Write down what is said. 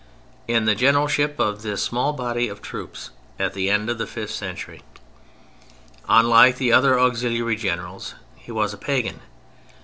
] in the generalship of this small body of troops at the end of the fifth century. Unlike the other auxiliary generals he was pagan.